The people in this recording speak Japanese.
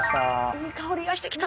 いい香りがしてきた。